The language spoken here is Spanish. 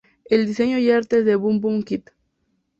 El diseño y arte es de Boom Boom Kid.